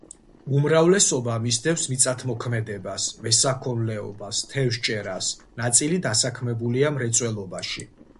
უმრავლესობა მისდევს მიწათმოქმედებას, მესაქონლეობას, თევზჭერას, ნაწილი დასაქმებულია მრეწველობაში.